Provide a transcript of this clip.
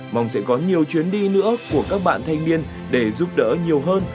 mong sẽ có nhiều chuyến đi nữa của các bạn thanh niên để giúp đỡ nhiều hơn